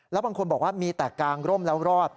แล้วบางคนบอกว่ามีแต่กางร่มแล้วรอด